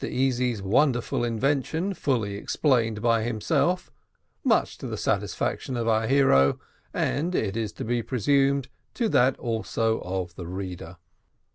EASY'S WONDERFUL INVENTION FULLY EXPLAINED BY HIMSELF MUCH TO THE SATISFACTION OF OUR HERO, AND, IT IS TO BE PRESUMED, TO THAT ALSO OF THE READER.